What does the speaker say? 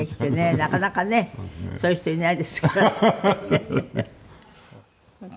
なかなかねそういう人いないですよね」